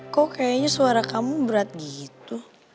kok kayaknya suara kamu berat gitu